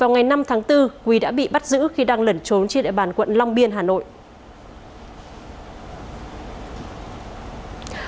ngày năm tháng bốn quý đã bị bắt giữ khi đang lẩn trốn trên địa bàn quận long biên hà nội